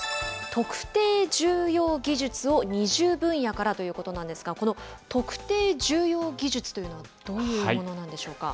特定重要技術を２０分野からということなんですが、この特定重要技術というのは、どういうものなんでしょうか。